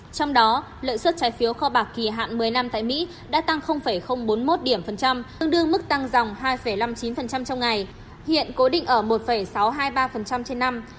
trong đó lợi suất trái phiếu kho bạc kỳ hạn một mươi năm tại mỹ đã tăng bốn mươi một điểm phần trăm tương đương mức tăng dòng hai năm mươi chín trong ngày hiện cố định ở một sáu trăm hai mươi ba trên năm